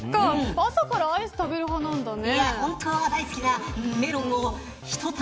朝からアイス食べる派なんだね。